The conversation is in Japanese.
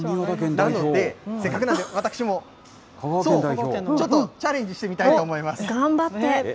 なので、せっかくなんで私も、チャレンジしてみたいと思頑張って。